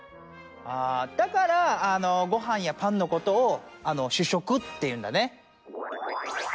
あだからごはんやパンのことを主食っていうんだね！